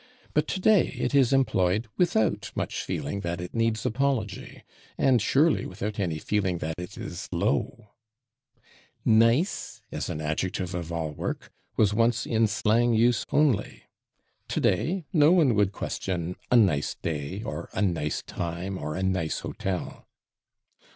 But today it is employed without much feeling that it needs apology, and surely without any feeling that it is low. [Pg306] /Nice/, as an adjective of all work, was once in slang use only; today no one would question "a /nice/ day," or "a /nice/ time" or "a /nice/ hotel."